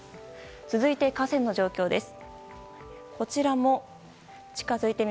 続いて、河川の状況です。